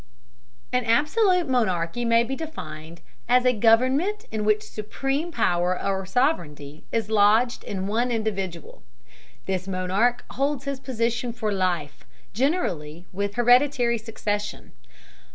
An absolute monarchy may be defined as a government in which supreme power or sovereignty is lodged in one individual. This monarch holds his position for life, generally with hereditary succession.